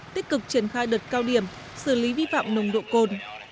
tích cực triển khai đợt cao điểm xử lý vi phạm nồng độ cồn